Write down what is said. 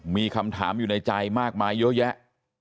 มีคำถามอยู่ในใจมากมายเยอะแยะ